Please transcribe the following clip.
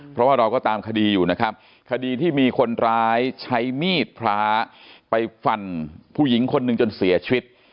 เพราะว่าเราก็ตามคดีอยู่นะครับคดีที่มีคนร้ายใช้มีดพระไปฟันผู้หญิงคนหนึ่งจนเสียชีวิต